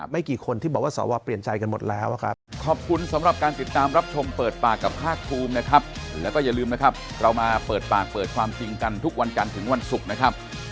ไม่กี่คนที่บอกว่าสอวเปลี่ยนใจกันหมดแล้วครับ